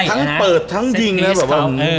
ทั้งเปิดทั้งยิงนะแบบว่าเออ